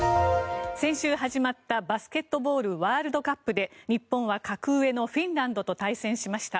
先週始まった、バスケットボールワールドカップで日本は格上のフィンランドと対戦しました。